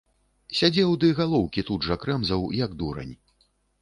Сядзеў ды галоўкі тут жа крэмзаў, як дурань.